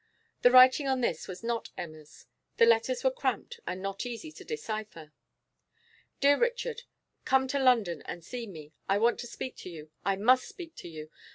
The writing on this was not Emma's: the letters were cramped and not easy to decipher. 'Dear Richard, come to London and see me. I want to speak to you, I must speak to you.